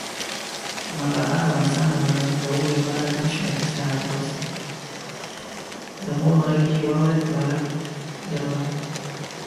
د مور غږ يې واورېد: بالښت دروړم.